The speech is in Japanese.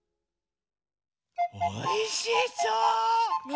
おいしそう！